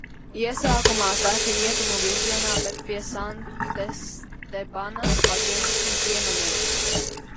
Iesākumā tek rietumu virzienā, bet pie Santestebanas pagriežas uz ziemeļiem.